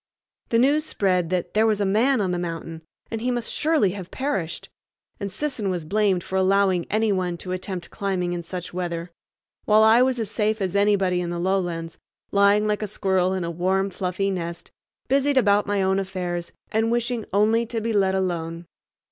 The news spread that "there was a man on the mountain," and he must surely have perished, and Sisson was blamed for allowing any one to attempt climbing in such weather; while I was as safe as anybody in the lowlands, lying like a squirrel in a warm, fluffy nest, busied about my own affairs and wishing only to be let alone.